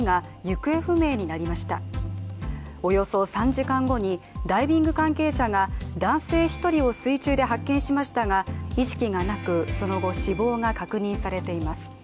およそ３時間にダイビング関係者が男性１人を水中で発見しましたが意識がなくその後、死亡が確認されています。